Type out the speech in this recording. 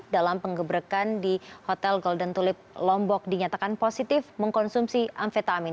dalam penggebrakan di hotel golden tulip lombok dinyatakan positif mengkonsumsi amfetamin